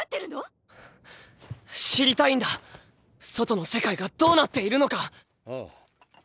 知りたいんだ外の世界がどうなっているのか。